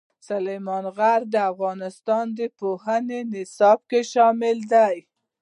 سلیمان غر د افغانستان د پوهنې نصاب کې شامل دي.